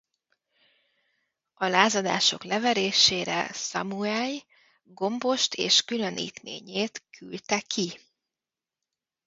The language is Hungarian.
A lázadások leverésére Szamuely Gombost és különítményét küldte ki.